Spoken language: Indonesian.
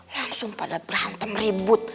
langsung pada berantem ribut